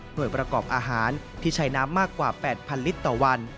โดยประกอบอาหารที่ใช้น้ำมากกว่า๘๐๐ลิตรต่อวัน